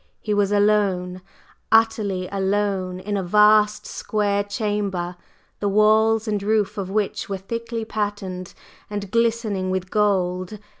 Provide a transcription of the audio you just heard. He was alone utterly alone in a vast square chamber, the walls and roof of which were thickly patterned and glistening with gold.